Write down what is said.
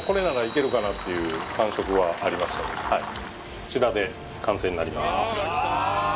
こちらで完成になります